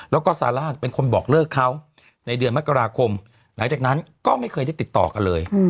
แล้วก็ซาร่าเป็นคนบอกเลิกเขาในเดือนมกราคมหลังจากนั้นก็ไม่เคยได้ติดต่อกันเลย